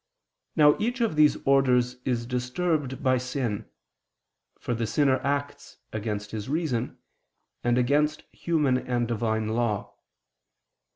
Now each of these orders is disturbed by sin, for the sinner acts against his reason, and against human and Divine law.